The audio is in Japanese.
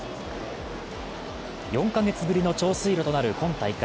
４か月ぶりの長水路となる今大会。